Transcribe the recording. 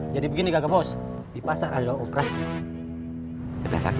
jadi begini kakak bos di pasar ada operasi